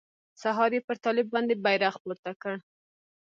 سهار يې پر طالب باندې بيرغ پورته کړ.